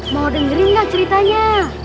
mau dengerin gak ceritanya